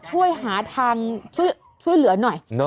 ช่วยหาทางช่วยเหลือหน่อย